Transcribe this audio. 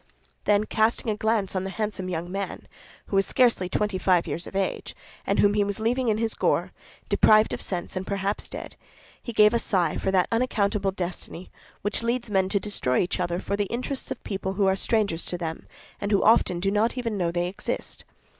Then, casting a glance on the handsome young man, who was scarcely twenty five years of age, and whom he was leaving in his gore, deprived of sense and perhaps dead, he gave a sigh for that unaccountable destiny which leads men to destroy each other for the interests of people who are strangers to them and who often do not even know that they exist.